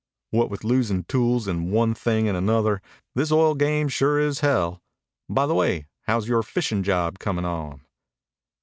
"What with losin' tools and one thing an' 'nother, this oil game sure is hell. By the way, how's yore fishin' job comin' on?"